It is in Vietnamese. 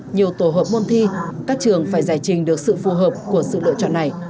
nhiều tổ hợp môn thi các trường phải giải trình được sự phù hợp của sự lựa chọn này